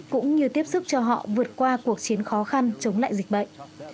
cũng như tiếp sức cho họ vượt qua cuộc chiến khó khăn chống lại dịch bệnh